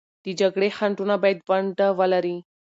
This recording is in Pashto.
د جګړې خنډونه باید ونډه ولري.